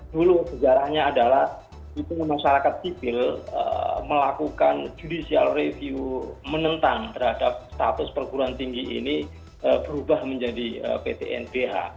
dulu sejarahnya adalah itu masyarakat sipil melakukan judicial review menentang terhadap status perguruan tinggi ini berubah menjadi ptnbh